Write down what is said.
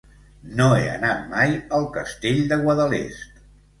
No he anat mai al Castell de Guadalest.